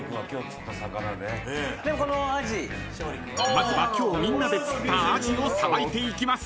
［まずは今日みんなで釣ったアジをさばいていきます］